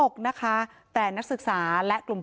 โจมตีรัฐบาล